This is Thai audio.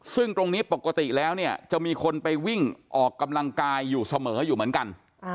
ซึ่งตรงนี้ปกติแล้วเนี่ยจะมีคนไปวิ่งออกกำลังกายอยู่เสมออยู่เหมือนกัน